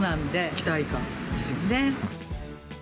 期待感ですよね。